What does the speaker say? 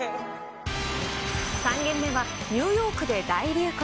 ３軒目はニューヨークで大流行。